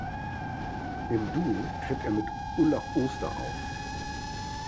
Im Duo tritt er mit Ulla Oster auf.